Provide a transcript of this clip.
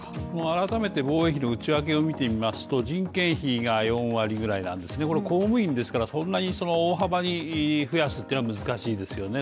改めて防衛費の内訳を見てみますと人件費が４割ぐらいなんですね、これ公務員ですからそんなに大幅に増やすというのは難しいですよね。